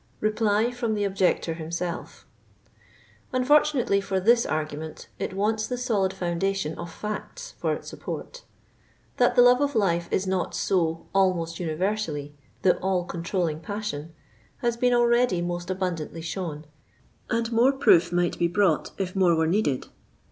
REPLV FROM THE OBJECTOR HIMSELF. Unfortunately for. this argument, it wants the solid foundation of facts for its support. That the love of life is not so almost universally the all controlling passion, hi||. been already most abundantly shown, and more proof might be brought if more were needed.